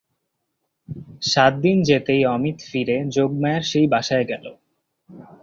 সাত দিন যেতেই অমিত ফিরে যোগমায়ার সেই বাসায় গেল।